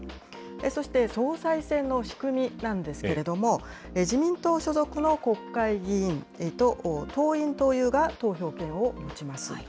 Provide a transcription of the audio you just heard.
そして総裁選の仕組みなんですけれども、自民党所属の国会議員と党員・党友が投票権を持ちます。